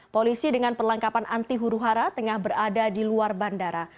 polisi dengan perlengkapan anti huru hara tengah berada di luar bandara